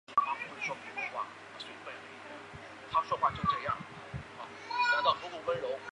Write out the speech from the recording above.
蔡衍明也是台湾中天电视的拥有人。